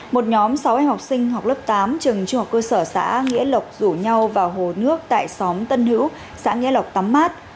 một nhóm sáu em học sinh học lớp tám trường trung học cơ sở xã nghĩa lộc rủ nhau vào hồ nước tại xóm tân hữu xã nghĩa lộc tắm mát